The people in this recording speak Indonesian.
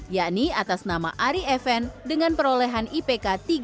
yakni atas nama ari fn dengan perolehan ipk tiga sembilan puluh delapan